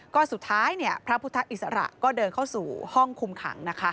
ก็สุดท้ายพระพุทธอิสระก็เดินเข้าสู่ห้องคุมขังนะคะ